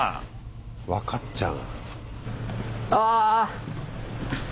分かっちゃう。